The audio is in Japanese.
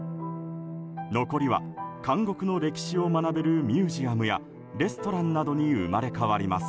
残りは、監獄の歴史を学べるミュージアムやレストランなどに生まれ変わります。